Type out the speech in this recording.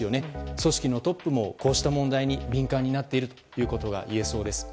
組織のトップもこうした問題に敏感になっているということがいえそうです。